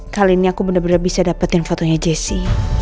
kali ini aku bener bener bisa dapetin fotonya jessy